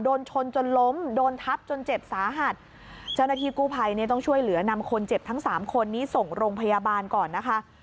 โดนชนจนล้มโดนทับจนเจ็บสาหัสเจ้าหน้าที่กู้ภัยเนี่ยต้องช่วยเหลือนำคนเจ็บทั้งสามคนนี้ส่งโรงพยาบาลก่อนนะคะ